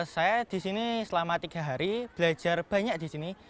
saya di sini selama tiga hari belajar banyak di sini